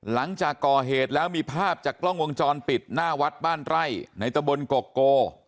หลังจากก่อเหตุแล้วมีภาพจากกล้องวงจรปิดหน้าวัดบ้านไร่ในตะบนโกโก